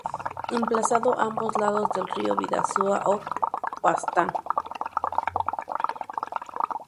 Emplazado a ambos lados del río Bidasoa o Baztán.